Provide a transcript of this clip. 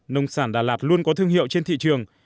nông sản đà lạt luôn có thương hiệu trên thị trường